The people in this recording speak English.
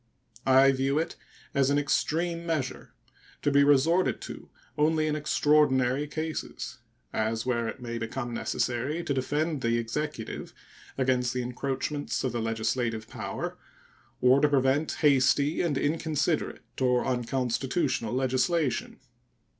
I view it as an extreme measure, to be resorted to only in extraordinary cases, as where it may become necessary to defend the executive against the encroachments of the legislative power or to prevent hasty and inconsiderate or unconstitutional legislation.